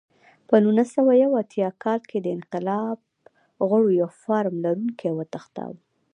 په نولس سوه یو اتیا کال کې د انقلاب غړو یو فارم لرونکی وتښتاوه.